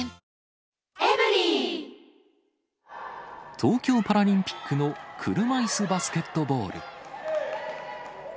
東京パラリンピックの車いすバスケットボール。